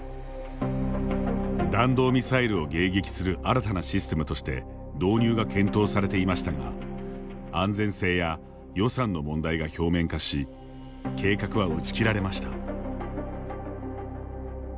弾道ミサイルを迎撃する新たなシステムとして導入が検討されていましたが安全性や予算の問題が表面化し計画は打ち切られました。